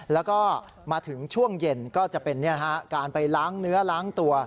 แล้วก็มาถึงช่วงเย็นก็จะเป็นการไปล้างเนื้อล้างตัว